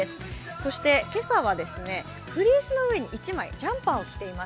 そして今朝はフリースの上に１枚ジャンパーを着ています。